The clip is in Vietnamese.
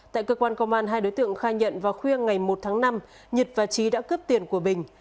tại cơ quan công an hai đối tượng khai nhận vào khuya ngày một tháng năm nhật và trí đã cướp tiền của bình